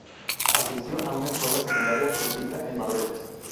Asistió a una escuela secundaria jesuita en Marruecos.